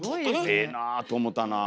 ええなあと思たなあ。